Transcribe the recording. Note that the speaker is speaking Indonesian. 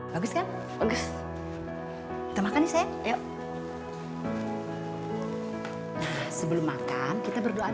bagus bagus tempatkan saya yuk sebelum makan kita berdoa